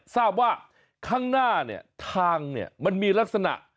ทราบว่าข้างหน้าทางมันมีลักษณะ